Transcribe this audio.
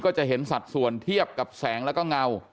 จะเห็นสัดส่วนเทียบกับแสงแล้วก็เงา